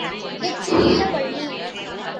மிகச் சிறிய பள்ளி.